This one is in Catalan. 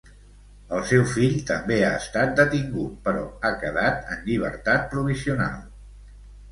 El seu fill també ha estat detingut, però ha quedat en llibertat provisional.